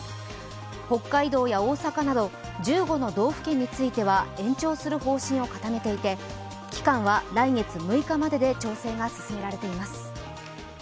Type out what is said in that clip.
北海道や大阪など１５の道府県については延長する方針を固めていて期間は来月６日までで調整が進められています。